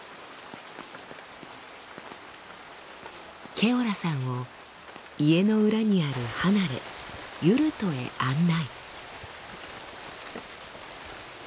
ケオラさんを家の裏にある離れユルトへ案内。